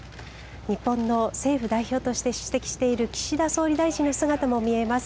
日本の政府代表として出席している岸田総理大臣の姿も見えます。